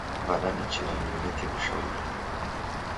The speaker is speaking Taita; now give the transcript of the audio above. W'adanichea niw'ineke w'ushauri